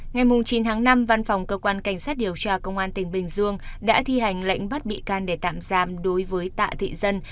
ngày chín tháng năm văn phòng cơ quan cảnh sát điều tra công an tỉnh bình dương đã thi hành lệnh bắt bị can để tạm giam đối với tạ thị dân